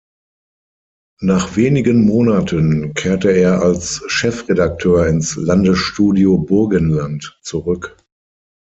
Nach wenigen Monaten kehrte er als Chefredakteur ins Landesstudio Burgenland zurück.